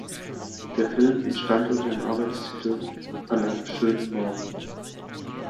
Der Film entstand unter dem Arbeitstitel "An einem schönen Morgen".